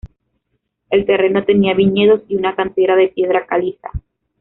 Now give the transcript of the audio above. El terreno tenía viñedos y una cantera de piedra caliza.